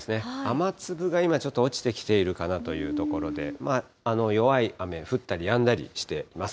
雨粒が今ちょっと落ちてきているかなというところで、弱い雨、降ったりやんだりしています。